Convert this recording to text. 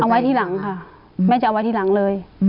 แม่จะเอาไว้ที่หลังค่ะแม่จะเอาไว้ที่หลังเลย